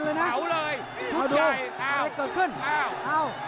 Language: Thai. โดนท่องโดนท่องมีอาการ